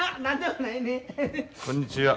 こんにちは。